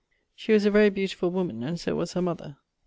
She was a very beautifull woman, and so was her mother.